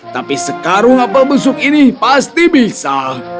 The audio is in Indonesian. tapi sekarung apel busuk ini pasti bisa